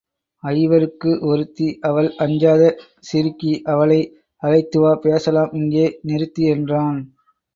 ஐவருக்கு ஒருத்தி அவள் அஞ்சாத சிறுக்கி அவளை அழைத்துவா பேசலாம் இங்கே நிறுத்தி என்றான்.